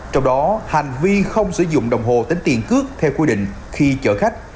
trong đó hành vi không sử dụng đồng hồ tính tiền cước theo quy định khi chở khách